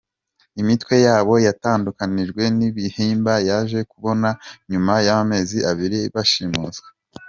Imitwe yabo yatandukanijwe n'ibihimba yaje kuboneka nyuma y'amezi abiri bashimuswe.